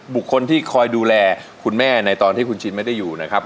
บุคคลที่คอยดูแลคุณแม่ในตอนที่คุณชินไม่ได้อยู่นะครับ